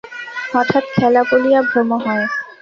হঠাৎ খেলা বলিয়া ভ্রম হয়।